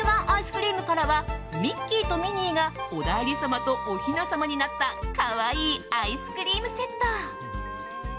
アイスクリームからはミッキーとミニーがお内裏様とおひな様になった可愛いアイスクリームセット。